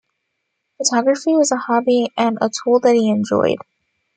Photography was a hobby and a tool that he enjoyed.